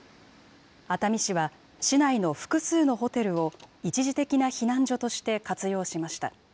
熱海市は市内の複数のホテルを一時的な避難所として活用しました。